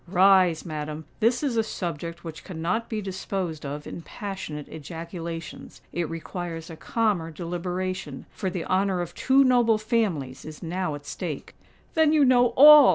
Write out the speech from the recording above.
"Rise, madam: this is a subject which cannot be disposed of in passionate ejaculations;—it requires a calmer deliberation—for the honour of two noble families is now at stake!" "Then you know all!"